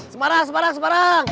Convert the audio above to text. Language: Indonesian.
semarang semarang semarang